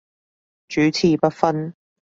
主次不分